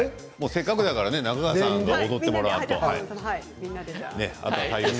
せっかくですから中川さんに踊ってもらわんと。